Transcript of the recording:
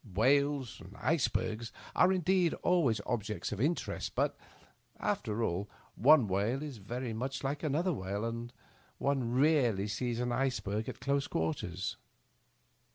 Whales and icebergs are indeed always objects of interest, but, after aH, one whale is very much like another whale, and one rarely sees an iceberg at close quarters.